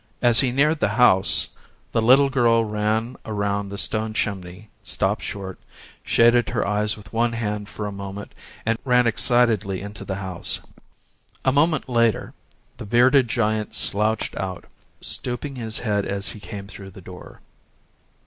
As he neared the house, the little girl ran around the stone chimney, stopped short, shaded her eyes with one hand for a moment and ran excitedly into the house. A moment later, the bearded giant slouched out, stooping his head as he came through the door.